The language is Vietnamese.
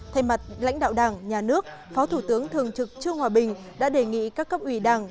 thay mặt lãnh đạo đảng nhà nước phó thủ tướng thường trực trương hòa bình đã đề nghị các cấp ủy đảng